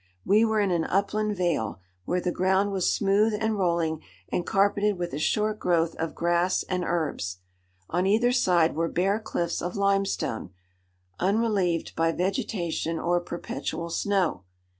We were in an upland vale, where the ground was smooth and rolling, and carpeted with a short growth of grass and herbs. On either side were bare cliffs of limestone, unrelieved by vegetation or perpetual snow.